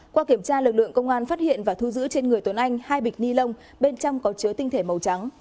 qua kiểm tra lực lượng công an phát hiện và thu giữ trên người tuấn anh hai bịch ni lông bên trong có chứa tinh thể màu trắng